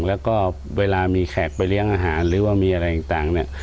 แล้วก็เวลามีแขกไปเลี้ยงอาหารหรือว่ามีอะไรต่างเนี่ย